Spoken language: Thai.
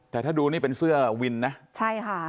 แต่ถ้าดูนี่เป็นเสื้อวินนะใช่ค่ะ